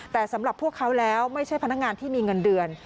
แต่สำหรับพวกเขาแล้วไม่ใช่พนักงานที่มีเงินเดือน